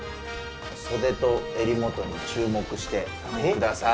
袖と襟元に注目してください。